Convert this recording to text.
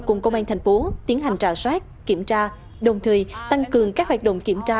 cùng công an tp hcm tiến hành trả soát kiểm tra đồng thời tăng cường các hoạt động kiểm tra